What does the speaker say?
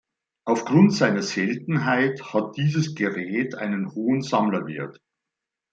Aufgrund seiner Seltenheit hat dieses Gerät einen hohen Sammlerwert.